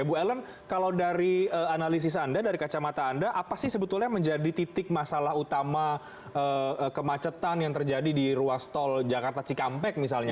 bu ellen kalau dari analisis anda dari kacamata anda apa sih sebetulnya menjadi titik masalah utama kemacetan yang terjadi di ruas tol jakarta cikampek misalnya